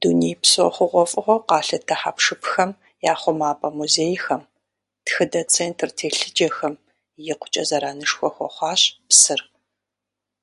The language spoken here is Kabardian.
Дунейпсо хъугъуэфӀыгъуэу къалъытэ хьэпшыпхэм я хъумапӀэ музейхэм, тхыдэ центр телъыджэхэм икъукӀэ зэранышхуэ хуэхъуащ псыр.